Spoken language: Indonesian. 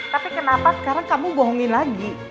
tapi kenapa sekarang kamu bohongi lagi